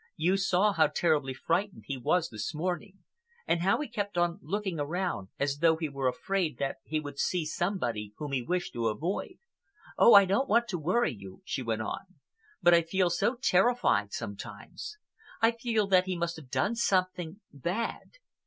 You saw how terribly frightened he was this morning, and how he kept on looking around as though he were afraid that he would see somebody whom he wished to avoid. Oh! I don't want to worry you," she went on, "but I feel so terrified sometimes. I feel that he must have done something—bad.